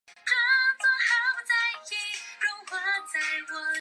全新的使用者界面包括黑夜模式等多项新功能。